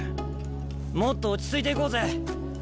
もっと落ち着いていこうぜ。